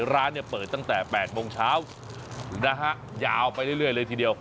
ร้านเนี่ยเปิดตั้งแต่๘โมงเช้านะฮะยาวไปเรื่อยเลยทีเดียว